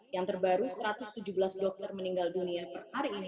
yang terbaru satu ratus tujuh belas dokter meninggal dunia per hari ini